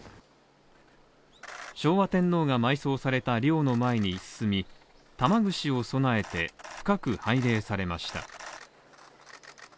昭和天皇が埋葬された陵の前に進み玉串を供えて深く拝礼されました。